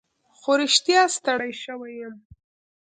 خو رښتیا ستړی شوی یم.